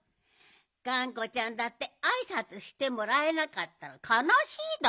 がんこちゃんだってあいさつしてもらえなかったらかなしいだろう？